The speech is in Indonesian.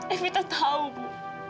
evita tau bu